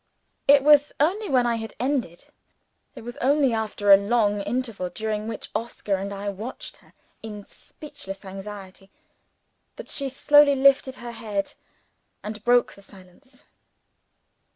It was only when I had ended it was only after a long interval during which Oscar and I watched her in speechless anxiety that she slowly lifted her head and broke the silence.